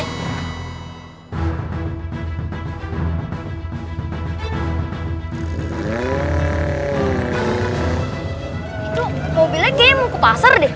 itu mobilnya kayaknya mau ke pasar deh